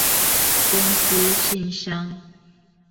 公司信箱